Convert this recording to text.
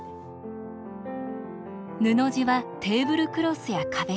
布地はテーブルクロスや壁掛け。